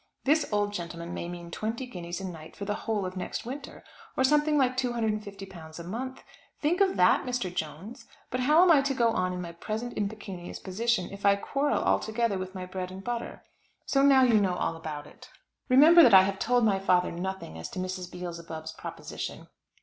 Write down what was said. This old gentleman may mean twenty guineas a night for the whole of next winter, or something like £250 a month. Think of that, Mr. Jones. But how am I to go on in my present impecunious position if I quarrel altogether with my bread and butter? So now you know all about it. Remember that I have told my father nothing as to Mrs. Beelzebub's proposition.